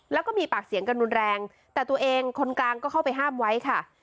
แล้วก็มีปากเสียงกันรุนแรงแต่ตัวเองคนกลางก็เข้าไปห้ามไว้ค่ะ